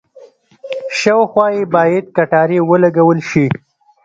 شاوخوا یې باید کټارې ولګول شي.